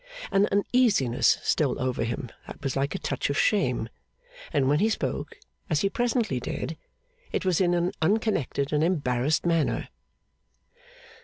An uneasiness stole over him that was like a touch of shame; and when he spoke, as he presently did, it was in an unconnected and embarrassed manner.